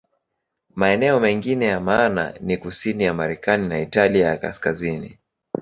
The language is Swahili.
Maeneo mengine ya maana ni kusini ya Marekani na Italia ya Kaskazini.